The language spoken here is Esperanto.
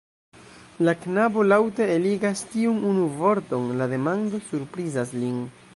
La knabo laŭte eligas tiun unu vorton, la demando surprizas lin.